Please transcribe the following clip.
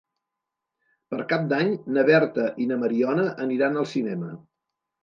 Per Cap d'Any na Berta i na Mariona aniran al cinema.